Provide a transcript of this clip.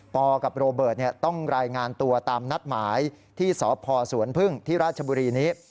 กับโรเบิร์ตต้องรายงานตัวตามนัดหมายที่สพสวนพึ่งที่ราชบุรีนี้